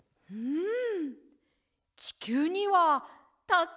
うん。